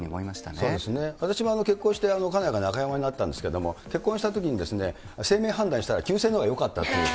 そうですね、私も結婚して家内が中山になったんですけれども、結婚したときにですね、姓名判断したら旧姓のほうがよかったっていう。